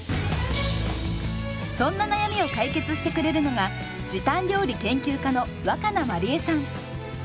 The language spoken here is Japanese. そんな悩みを解決してくれるのが時短料理研究家の若菜まりえさん。